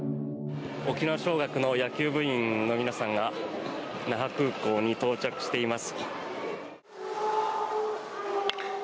沖縄尚学の野球部員の皆さんが那覇空港に到着しています。